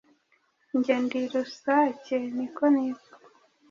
Njye ndi Rusake niko nitwa